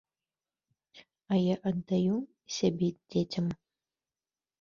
А я аддаю сябе дзецям.